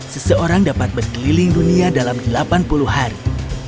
seseorang dapat berkeliling dunia dalam delapan puluh hari